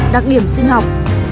đặc điểm sinh học